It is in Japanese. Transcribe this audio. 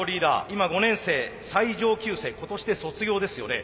今５年生最上級生今年で卒業ですよね。